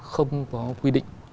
không có quy định